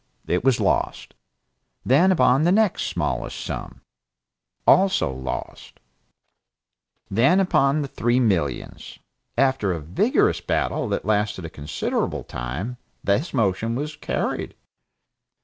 It was lost. Then upon the next smallest sum. Lost, also. And then upon the three millions. After a vigorous battle that lasted a considerable time, this motion was carried.